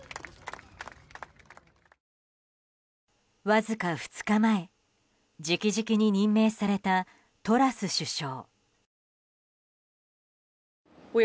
わずか２日前直々に任命されたトラス首相。